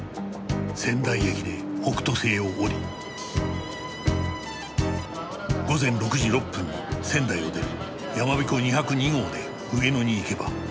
仙台駅で北斗星を降り午前６時６分に仙台を出るやまびこ２０２号で上野に行けば。